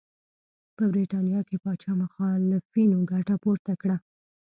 په برېټانیا کې پاچا مخالفینو ګټه پورته کړه.